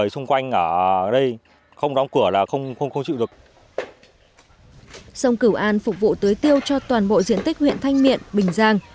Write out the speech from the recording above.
sông cửu an phục vụ tưới tiêu cho toàn bộ diện tích huyện thanh miện bình giang